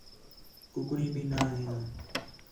کُکڑیں بھی نہ ہیاں